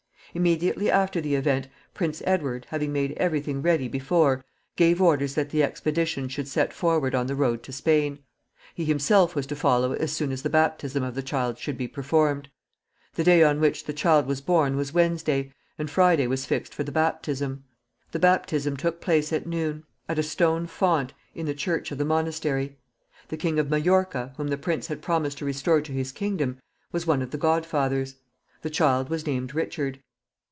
Immediately after the event, Prince Edward, having made every thing ready before, gave orders that the expedition should set forward on the road to Spain. He himself was to follow as soon as the baptism of the child should be performed. The day on which the child was born was Wednesday, and Friday was fixed for the baptism. The baptism took place at noon, at a stone font in the church of the monastery. The King of Majorca, whom the prince had promised to restore to his kingdom, was one of the godfathers. The child was named Richard.